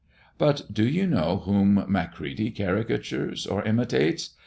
"But do you know whom Macready caricatures or imitates?